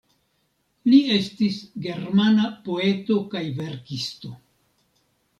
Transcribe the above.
Li estis germana poeto kaj verkisto.